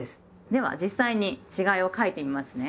では実際に違いを書いてみますね。